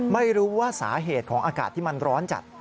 ไม่รู้ว่าสาเหตุของอากาศที่มันร้อนจัด